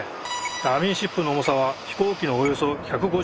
ダミーシップの重さは飛行機のおよそ１５０分の１。